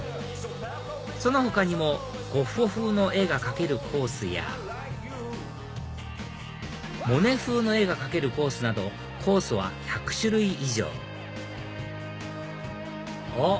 その他にもゴッホ風の絵が描けるコースやモネ風の絵が描けるコースなどコースは１００種類以上おっ！